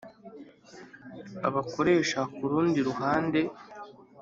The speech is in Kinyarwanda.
abakoresha ku rundi ruhande